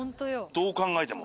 どう考えても。